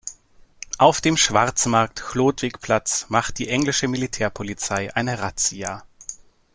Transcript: Auf dem Schwarzmarkt Chlodwigplatz macht die englische Militärpolizei eine Razzia.